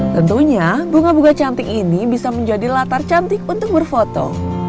tentunya bunga bunga cantik ini bisa menjadi latar cantik untuk berfoto